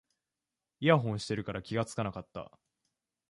イヤホンしてるから気がつかなかった